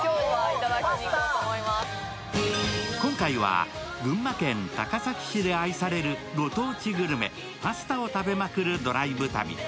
今回は群馬県高崎市で愛される御当地グルメ、パスタを食べまくるドライブ旅。